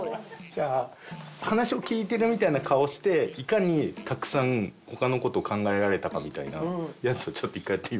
じゃあ話を聞いてるみたいな顔をしていかにたくさん他の事を考えられたかみたいなやつをちょっと一回やってみます？